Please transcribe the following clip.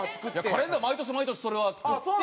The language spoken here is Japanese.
カレンダー毎年毎年それは作って。